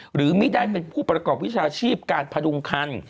หรือไม่ได้เป็นผู้ประกอบวิชาชีพการพดุงคัน